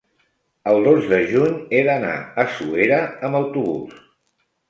El dos de juny he d'anar a Suera amb autobús.